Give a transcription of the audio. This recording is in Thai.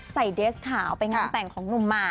เดสขาวไปงานแต่งของหนุ่มหมาก